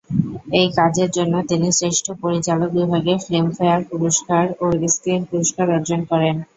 এই কাজের জন্য তিনি শ্রেষ্ঠ পরিচালক বিভাগে ফিল্মফেয়ার পুরস্কার ও স্ক্রিন পুরস্কার অর্জন করেন।